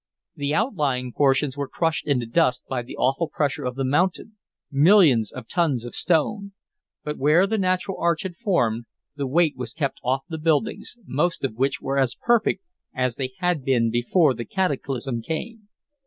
The outlying portions were crushed into dust by the awful pressure of the mountain millions of tons of stone but where the natural arch had formed the weight was kept off the buildings, most of which were as perfect as they had been before the cataclysm came.